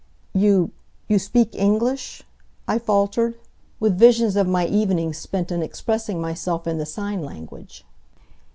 "You you speak English?" I faltered, with visions of my evenings spent in expressing myself in the sign language.